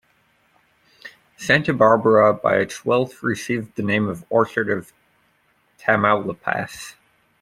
Santa Barbara, by its wealth received the name of Orchard of Tamaulipas.